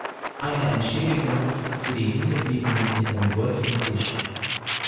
Eine Entschädigung für die Hinterbliebenen ist damit wohl vom Tisch.